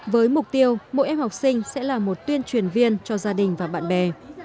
với mục tiêu mỗi em học sinh sẽ là một tuyên truyền viên cho gia đình và bạn bè